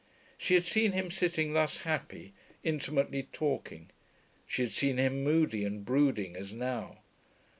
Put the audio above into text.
She had seen him sitting thus happy, intimately talking; she had seen him moody and brooding, as now.